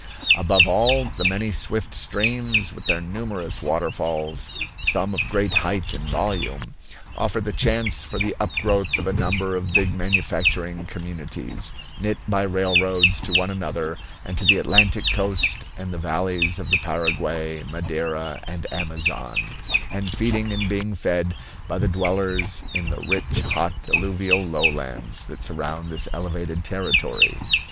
Above all, the many swift streams with their numerous waterfalls, some of great height and volume, offer the chance for the upgrowth of a number of big manufacturing communities, knit by rail roads to one another and to the Atlantic coast and the valleys of the Paraguay, Madeira, and Amazon, and feeding and being fed by the dwellers in the rich, hot, alluvial lowlands that surround this elevated territory.